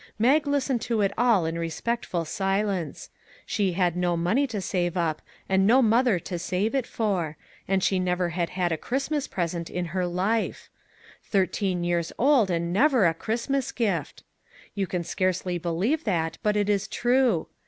Mag listened to it all in respectful silence. She had no money to save up, and no mother to save it for, and she never 20 MERRY CHRISTMAS TO MAG " had had a Christmas present in her life. Thir teen years old, and never a Christmas gift! You can scarcely believe that, but it is true.